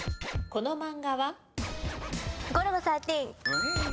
この漫画は？